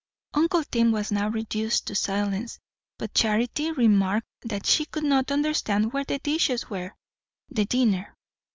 Uncle Tim was now reduced to silence, but Charity remarked that she could not understand where the dishes were the dinner.